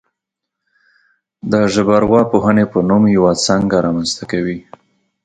د ژبارواپوهنې په نوم یوه څانګه رامنځته کوي